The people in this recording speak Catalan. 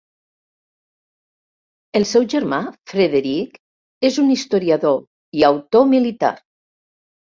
El seu germà, Frederick, és un historiador i autor militar.